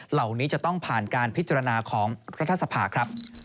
เหล่านี้จะต้องผ่านการพิจารณาของรัฐสภาครับ